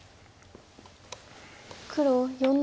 黒４の五。